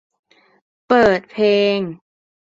เปิดเพลง